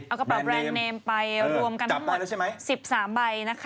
เอากระเป๋าแบรนด์เนมไปรวมกันทั้งหมด๑๓ใบนะคะ